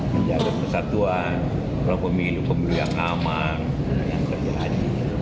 menjaga persatuan memiliki pemilihan aman dan terjadi